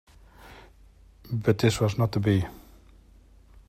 But this was not to be.